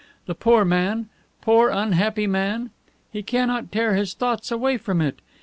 The poor man! Poor unhappy man! He cannot tear his thoughts away from it.